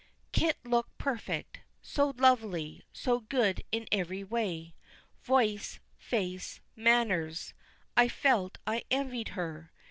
Kit looked perfect. So lovely, so good in every way voice, face, manners. I felt I envied her.